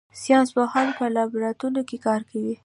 ساینس پوهان په لابراتوار کې کار کوي